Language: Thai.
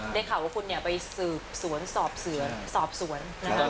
ได้ข่าวว่าคุณเนี่ยไปสืบสวนสอบสวนนะคะ